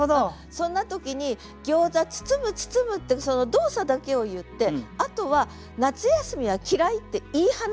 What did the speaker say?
そんな時に「餃子包む包む」ってその動作だけを言ってあとは「夏休みは嫌ひ」って言い放つ。